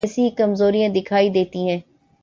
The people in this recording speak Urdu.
تو ایسی ہی کمزوریاں دکھائی دیتی ہیں۔